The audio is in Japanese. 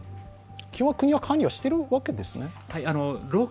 基本、国は管理しているわけですね？